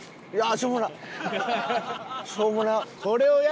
しょうもなっ！